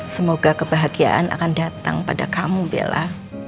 semoga kebahagiaan akan datang pada kamu bella